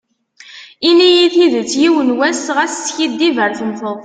Ini-yi tidet yiwen was, ɣas skiddib ar temteḍ.